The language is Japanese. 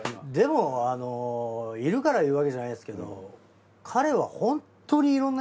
でもいるから言うわけじゃないですけど。